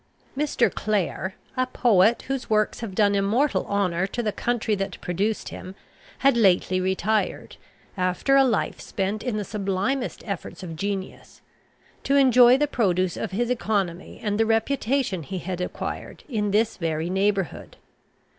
Mr. Clare, a poet whose works have done immortal honour to the country that produced him, had lately retired, after a life spent in the sublimest efforts of genius, to enjoy the produce of his economy, and the reputation he had acquired, in this very neighbourhood.